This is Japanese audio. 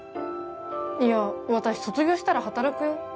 いや私卒業したら働くよ。